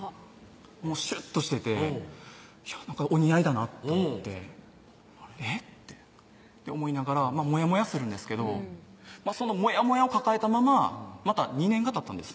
もうシュッとしててお似合いだなと思って「えっ？」って思いながらモヤモヤするんですけどそのモヤモヤを抱えたまままた２年がたったんです